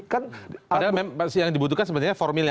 padahal memang yang dibutuhkan sebenarnya formilnya